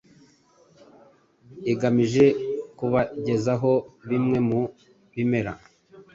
igamije kubagezaho bimwe mu bimera